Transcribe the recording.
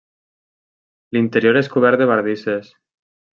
L'interior és cobert de bardisses.